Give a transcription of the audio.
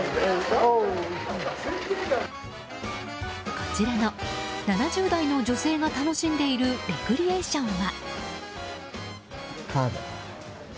こちらの７０代の女性が楽しんでいるレクリエーションは。